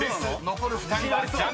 残る２人はジャナイ］